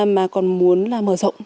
mà còn muốn là mở rộng